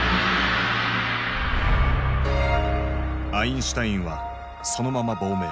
アインシュタインはそのまま亡命。